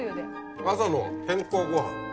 朝の健康ご飯。